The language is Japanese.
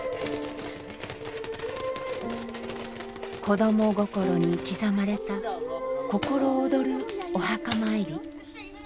子供心に刻まれた心躍るお墓参り。